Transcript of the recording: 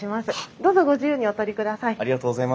どうぞご自由にお撮りください。